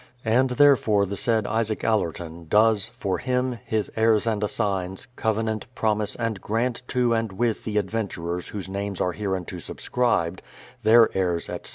And therefore the said Isaac Allerton, does, for him, his heirs and assigns, covenant, promise, and grant to and with the adventurers whose names are hereunto subscribed, their heirs, etc.